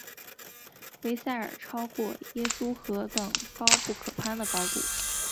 威塞尔超过耶稣何等高不可攀的高度！